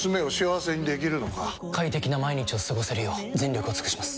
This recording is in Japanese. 快適な毎日を過ごせるよう全力を尽くします！